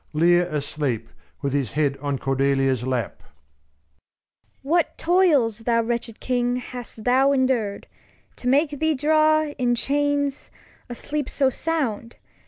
Lear asleep, with his Head on Cordelia's Lap. Cord. What Toils, thou wretched King, hast thou en dur'd To make thee draw, in Chains, a Sleep so sound